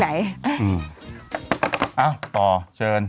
เอ้าต่อเชิญ